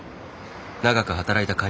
長く働いたカニ